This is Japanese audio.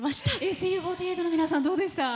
ＳＴＵ４８の皆さんどうでした？